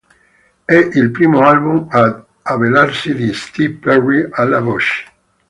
È il primo album ad avvalersi di Steve Perry alla voce.